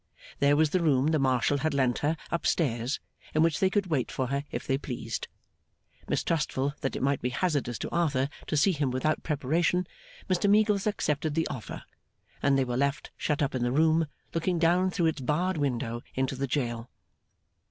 There was the room the Marshal had lent her, up stairs, in which they could wait for her, if they pleased. Mistrustful that it might be hazardous to Arthur to see him without preparation, Mr Meagles accepted the offer; and they were left shut up in the room, looking down through its barred window into the jail.